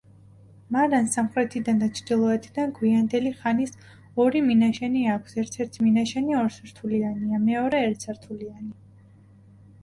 მარანს სამხრეთიდან და ჩრდილოეთიდან გვიანდელი ხანის ორი მინაშენი აქვს ერთ-ერთი მინაშენი ორსართულიანია, მეორე ერთსართულიანი.